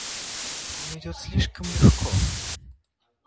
Он одет слишком легко.